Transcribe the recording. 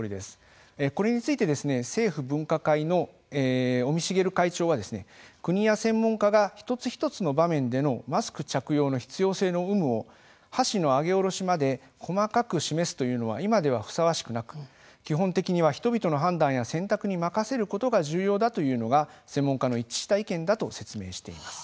これについて政府分科会の尾身茂会長は国や専門家が一つ一つの場面でのマスク着用の必要性の有無を箸の上げ下ろしまで細かく示すというのは今ではふさわしくなく基本的には人々の判断や選択に任せることが重要だというのが専門家の一致した意見だと説明しています。